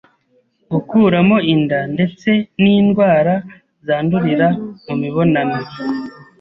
gukuramo inda ndetse n'indwara zandurira mu mibonano